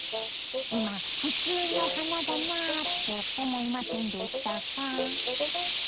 今普通の花だなって思いませんでしたか？